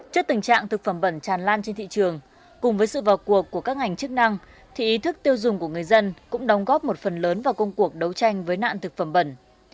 trước tình trạng thực phẩm bẩn tràn lan trên thị trường cùng với sự vào cuộc của các ngành chức năng thì ý thức tiêu dùng của người dân cũng đóng góp một phần lớn vào công cuộc đấu tranh với nạn thực phẩm bẩn